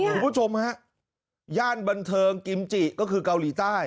คุณผู้ชมฮะย่านบันเทิงกิมจิก็คือเกาหลีใต้